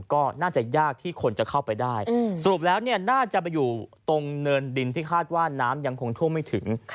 ก็น่าจะยากที่คนจะเข้าไปได้สรุปแล้วเนี่ยน่าจะไปอยู่ตรงเนินดินที่คาดว่าน้ำยังคงท่วมไม่ถึง